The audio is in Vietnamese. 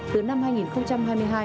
từ năm hai nghìn hai mươi hai